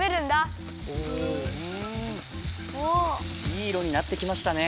いいいろになってきましたね。